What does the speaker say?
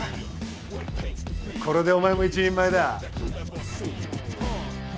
これでお前も一人前だ。